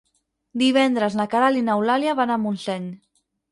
Divendres na Queralt i n'Eulàlia van a Montseny.